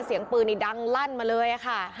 เสียงปืนนี่ดังลั่นมาเลยค่ะ